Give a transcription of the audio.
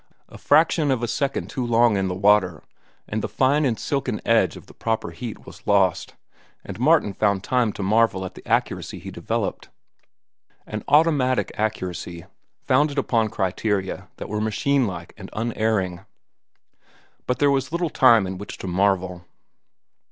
A fraction of a second too long in the water and the fine and silken edge of the proper heat was lost, and Martin found time to marvel at the accuracy he developed—an automatic accuracy, founded upon criteria that were machine like and unerring. But there was little time in which to marvel.